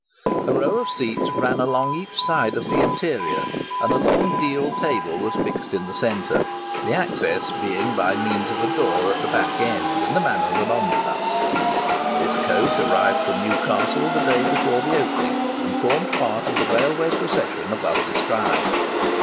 A row of seats ran along each side of the interior, and a long deal table was fixed in the centre; the access being by means of a door at the back end, in the manner of an omnibus. [Picture: The First Railway Coach] This coach arrived from Newcastle the day before the opening, and formed part of the railway procession above described.